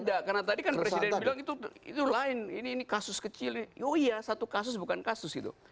tidak karena tadi kan presiden bilang itu lain ini kasus kecil oh iya satu kasus bukan kasus gitu